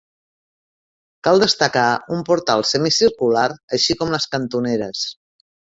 Cal destacar un portal semicircular així com les cantoneres.